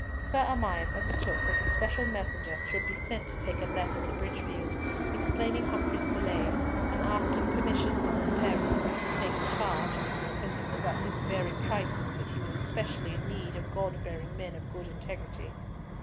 Sir Amias undertook that a special messenger should be sent to take a letter to Bridgefield, explaining Humfrey's delay, and asking permission from his parents to undertake the charge, since it was at this very crisis that he was especially in need of God fearing men of full integrity.